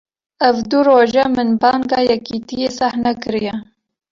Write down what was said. Ev du roj e, min banga yekîtiyê seh nekiriye